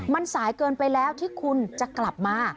มันสายเกินไปแล้วที่คุณจะกลับมา